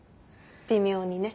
微妙にね。